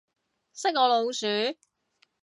識我老鼠